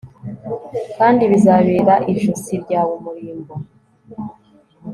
Kandi bizabera ijosi ryawe umurimbo